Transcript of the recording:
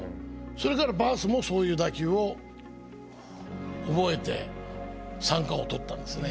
それからバースもそういう打球を覚えて三冠王取ったんですね。